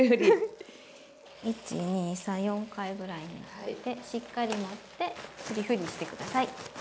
１２３４回ぐらいしっかり持ってふりふりして下さい。